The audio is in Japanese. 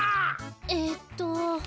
えっと。